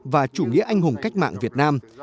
và chủ nghĩa anh hùng cách mạng việt nam